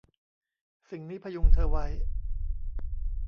สิ่งนี้พยุงเธอไว้